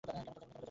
কেন তা জানিনা।